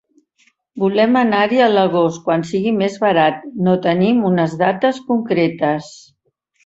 Volem anar-hi a l'agost, quan sigui més barat, no tenim unes dates concretes.